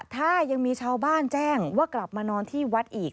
ถ้ายังมีชาวบ้านแจ้งว่ากลับมานอนที่วัดอีก